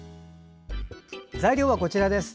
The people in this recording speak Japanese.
材料はこちらです。